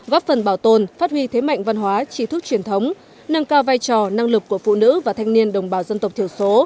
góp phần bảo tồn phát huy thế mạnh văn hóa trí thức truyền thống nâng cao vai trò năng lực của phụ nữ và thanh niên đồng bào dân tộc thiểu số